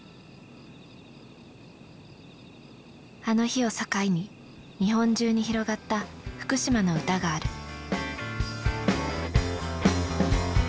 あの日を境に日本中に広がった福島の歌がある。